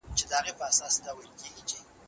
که ښوونکي خپلې دندې په اخلاص وکړي نو نسل به پوه شي.